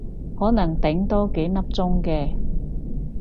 可能頂多幾粒鐘嘅